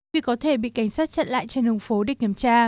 vì có thể bị cảnh sát chặn lại trên đường phố để kiểm tra